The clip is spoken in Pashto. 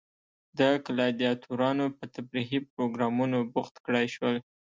د ګلادیاتورانو په تفریحي پروګرامونو بوخت کړای شول.